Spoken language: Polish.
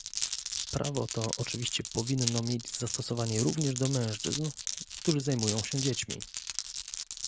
Prawo to oczywiście powinno mieć zastosowanie również do mężczyzn, którzy zajmują się dziećmi